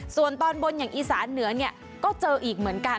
ส่วนตอนบนอย่างอีสานเหนือเนี่ยก็เจออีกเหมือนกัน